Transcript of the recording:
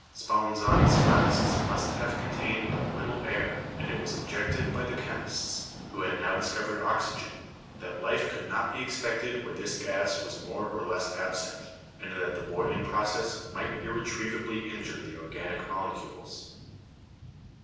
Spallanzani's flasks must have contained but little air and it was objected by the chemists, who had now discovered oxygen, that life could not be expected where this gas was more or less absent, and that the boiling process might irretrievably injure the 'organic molecules.'